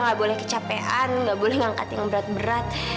aida gak boleh kecapean gak boleh ngangkat yang berat berat